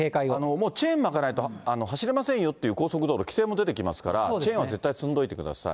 もうチェーン巻かないと、走れませんよっていう、高速道路、規制も出てきますから、チェーンは絶対積んどいてください。